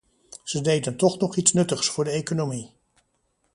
Ze deden toch nog iets nuttigs voor de economie.